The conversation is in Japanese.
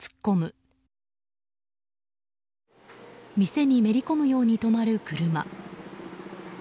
店にめり込むように止まる車。